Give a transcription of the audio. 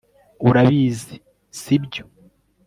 urabizi, si byo